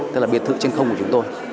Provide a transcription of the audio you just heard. tức là biệt thự trên không của chúng tôi